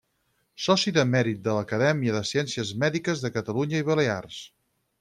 Soci de mèrit de l'Acadèmia de Ciències Mèdiques de Catalunya i Balears.